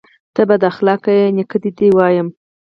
_ته بد اخلاقه يې، نيکه ته دې وايم.